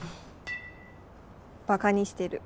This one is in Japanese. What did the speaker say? バカにしてる。